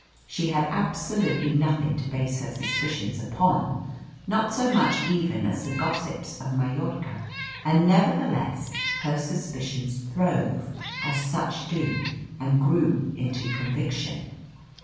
She had absolutely nothing to base her suspicions upon, not so much even as the gossips of Majorca. And nevertheless her suspicions throve, as such do, and grew into conviction.